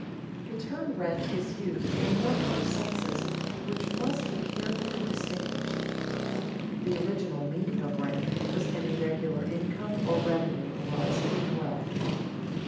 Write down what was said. The term rent is used in a number of senses, which must be carefully distinguished. The original meaning of rent was any regular income or revenue arising from wealth.